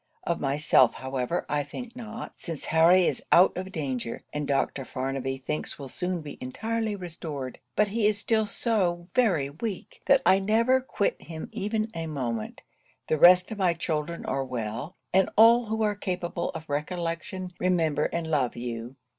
Of myself, however, I think not, since Harry is out of danger, and Dr. Farnaby thinks will soon be entirely restored; but he is still so very weak, that I never quit him even a moment. The rest of my children are well; and all who are capable of recollection, remember and love you.